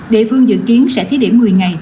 địa phương dự kiến sẽ thí điểm một mươi ngày